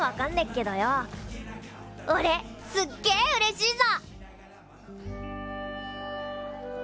すっげえうれしいぞ！